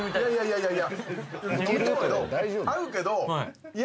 いやいやいや。